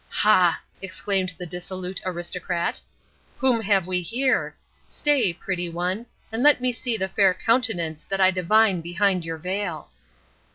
"Ha!" exclaimed the dissolute Aristocrat, "whom have we here? Stay, pretty one, and let me see the fair countenance that I divine behind your veil."